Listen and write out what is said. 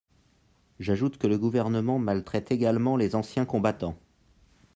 J’ajoute que le Gouvernement maltraite également les anciens combattants.